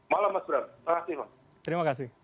malam mas bram terima kasih umar